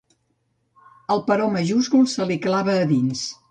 El però majúscul se li clava a dins.